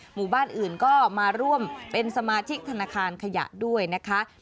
หมู่บ้านอื่นก็มาร่วมเป็นสมาชิกธนาคารขยะด้วยนะคะ